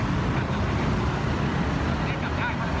แล้วก็กลับมาแล้วก็กลับมา